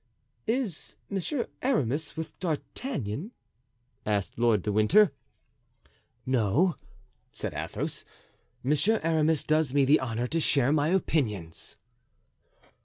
"Is Monsieur Aramis with D'Artagnan?" asked Lord de Winter. "No," said Athos; "Monsieur Aramis does me the honor to share my opinions."